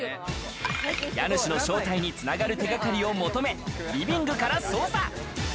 家主の正体に繋がる手掛かりを求め、リビングから捜査。